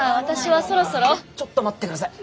ちょっと待って下さい。